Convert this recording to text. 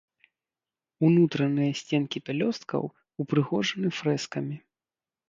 Унутраныя сценкі пялёсткаў ўпрыгожаны фрэскамі.